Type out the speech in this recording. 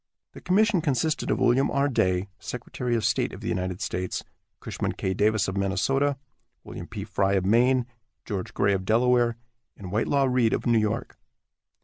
The commission consisted of William R. Day, secretary of state of the United States, Cushman K. Davis of Minnesota, William P. Frye of Maine, George Gray of Delaware, and Whitelaw Reid of New York.